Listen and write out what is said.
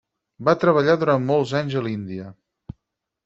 Va treballar durant molts anys a l'Índia.